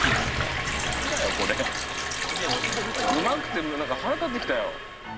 何だよこれうまくて腹立ってきたよ。